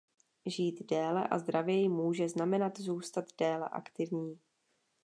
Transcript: Žít déle a zdravěji může znamenat zůstat déle aktivní.